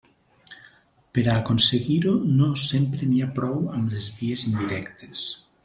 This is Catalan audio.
Per a aconseguir-ho, no sempre n'hi ha prou amb les vies indirectes.